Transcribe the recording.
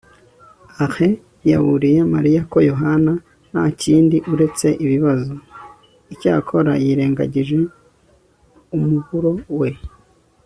alain yaburiye mariya ko yohana nta kindi uretse ibibazo. icyakora, yirengagije umuburo we